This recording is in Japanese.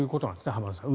浜田さん。